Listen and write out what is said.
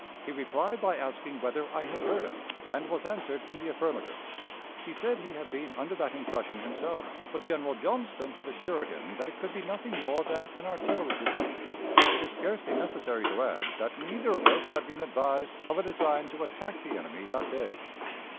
He replied by asking whether I had heard it, and was answered in the affirmative; he said he had been under that impression himself, but General Johnston had assured him that it could be nothing more than an artillery duel. It is scarcely necessary to add that neither of us had been advised of a design to attack the enemy that day.